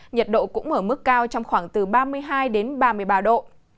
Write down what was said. nhiệt độ cũng ở mức cao trong khoảng từ ba mươi hai đến ba mươi ba độ